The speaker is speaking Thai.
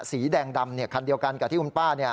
สีแดงดำเนี่ยคันเดียวกันกับที่คุณป้าเนี่ย